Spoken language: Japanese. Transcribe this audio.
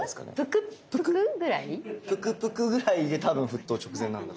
プクプクぐらいで多分沸騰直前なんだと思いますよ。